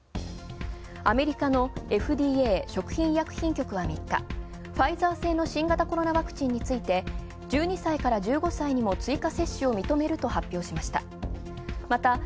アメリカのＦＤＡ＝食品医薬品局は３日、ファイザー製の新型コロナワクチンについて、１２歳から１５歳にも追加接種を認めると発表しました。